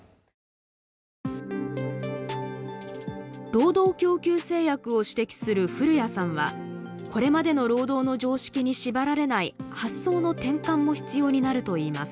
労働供給制約を指摘する古屋さんは、これまでの労働の常識に縛られない発想の転換も必要になるといいます。